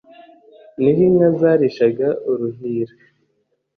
niho inka zarishaga uruhira